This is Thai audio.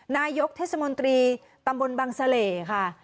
นายกเทศมนตรีตำบลบังเสล่ค่ะ